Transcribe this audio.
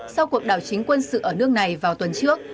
sau cuộc đảo chính quân sự ở nước này vào tuần trước